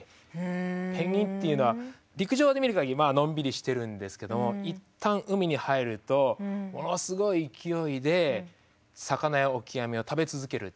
ペンギンというのは陸上で見る限りのんびりしてるんですけども一旦海に入るとものすごい勢いで魚やオキアミを食べ続けるということが分かりました。